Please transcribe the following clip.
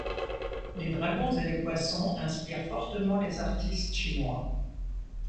Les dragons et les poissons inspirent fortement les artistes chinois.